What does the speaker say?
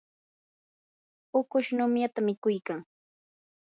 ukush numyata mikuykan.